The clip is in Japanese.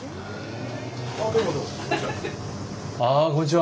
あこんにちは。